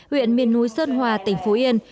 huyện miền núi sơn hòa tỉnh phú yên